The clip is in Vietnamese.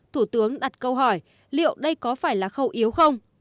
thủ tướng đặt câu hỏi liệu đây có phải là khâu yếu không